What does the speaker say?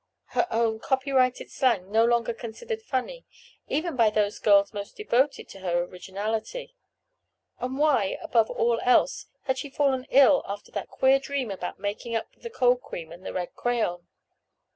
Her own "copyrighted" slang no longer considered funny, even by those girls most devoted to her originality? And why, above all else, had she fallen ill after that queer dream about making up with the cold cream and the red crayon?